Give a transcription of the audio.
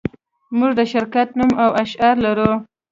موږ د شرکت نوم او شعار لرو